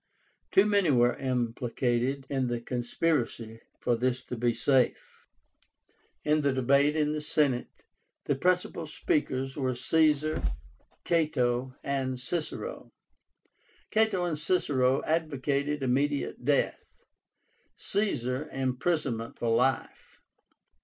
Too many were implicated in the conspiracy for this to be safe. In the debate in the Senate, the principal speakers were Caesar, Cato, and Cicero. Cato and Cicero advocated immediate death; Caesar, imprisonment for life.